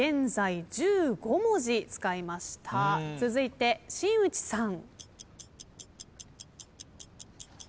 続いて新内さん。